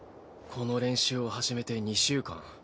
この練習を始めて２週間。